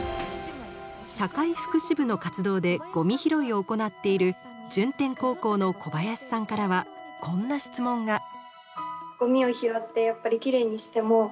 社会福祉部の活動でゴミ拾いを行っている順天高校の小林さんからはこんな質問が。